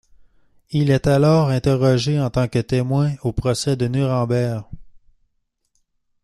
Il est alors interrogé en tant que témoin au procès de Nuremberg.